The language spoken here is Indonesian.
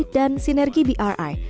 dan sinergi bni